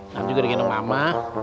nanti juga di gentong mama